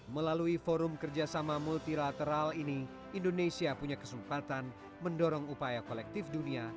melalui forum kerjasama multilateral ini indonesia punya kesempatan mendorong upaya kolektif dunia